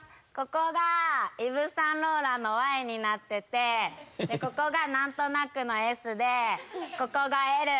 ここがイヴ・サンローランの「Ｙ」になっててここが何となくの「Ｓ」でここが「Ｌ」。